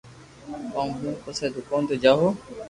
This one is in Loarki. ڪوم مون پسي دوڪون تي جاوُ ھون